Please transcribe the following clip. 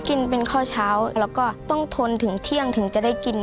กินเป็นข้อเช้าแล้วก็ต้องทนถึงเที่ยงถึงจะได้กิน